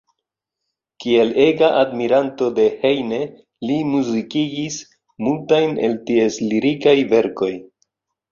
Kiel ega admiranto de Heine li muzikigis multajn el ties lirikaj verkoj.